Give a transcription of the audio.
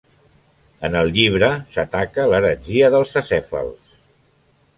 En el llibre s'ataca l'heretgia dels acèfals.